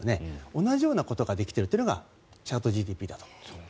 同じようなことができているというのがチャットＧＰＴだと思います。